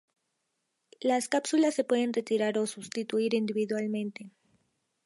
Las cápsulas se pueden retirar o sustituir individualmente.